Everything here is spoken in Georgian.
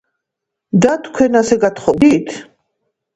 და თქვენ ასე გათხოვდით?